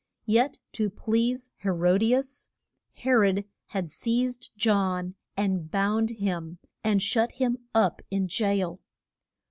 Yet to please He ro di as He rod had seized John, and bound him, and shut him up in jail.